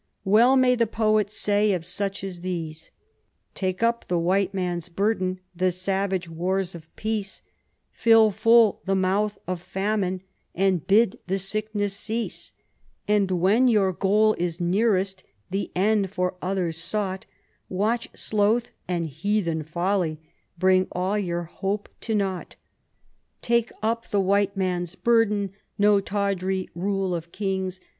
Well may the poet say of such as these :—" Take up the white man's burden — The savage wars of peace — Fill full the mouth of famine And bid the sickness cease ; And when your goal is nearest, The end for others sought, Watch sloth and heathen folly Brin^ all your hope to nought. " Take up the white man's burden — No tawdry rule of kings.